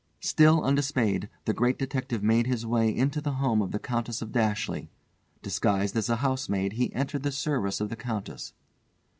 Still undismayed, the Great Detective made his way into the home of the Countess of Dashleigh. Disguised as a housemaid, he entered the service of the Countess.